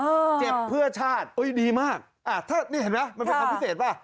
เจ็บเพื่อชาติอุ้ยดีมากอ่าถ้านี่เห็นไหมมันเป็นคำพิเศษป่ะ